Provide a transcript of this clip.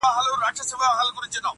ملکې ته ډوډۍ راوړه نوکرانو!